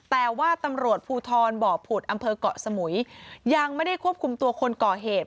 แต่ว่าตำรวจภูทรบ่อผุดอำเภอกเกาะสมุยยังไม่ได้ควบคุมตัวคนก่อเหตุ